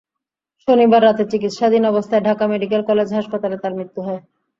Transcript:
শনিবার রাতে চিকিৎসাধীন অবস্থায় ঢাকা মেডিকেল কলেজ হাসপাতালে তাঁর মৃত্যু হয়।